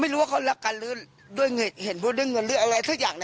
ไม่รู้ว่าเขารักกันหรือด้วยเห็นพูดเรื่องเงินอะไรทุกอย่าง